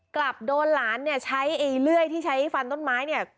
กลับโดนหลานเนี่ยใช้ไอ้เลื่อยที่ใช้ฟันต้นไม้เนี่ย